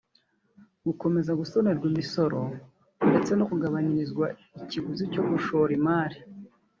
gukomeza gusonerwa imisoro ndetse no kugabanirizwa ikiguzi cyo gushora imari